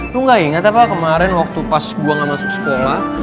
lu gak ingat apa kemarin waktu pas gue gak masuk sekolah